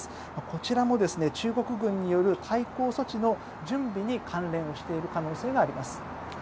こちらも、中国軍による対抗措置の準備に関連をしている可能性があります。